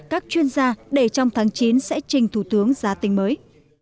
các chuyên gia để trong tháng chín sẽ trình thủ tướng giá tình mới